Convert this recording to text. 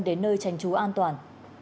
đến nơi tránh trú an toàn